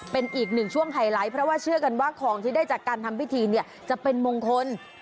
เป็นอีกหนึ่งช่วงไฮไลท์เพราะว่าเชื่อกันว่าของที่ได้จากการทำพิธีเนี่ยจะเป็นมงคล